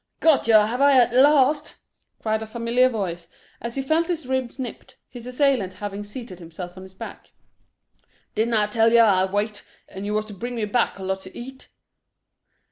"Got yer, have I, at last?" cried a familiar voice, as he felt his ribs nipped, his assailant having seated himself on his back. "Didn't I tell yer I'd wait, and you was to bring me back a lot to eat?"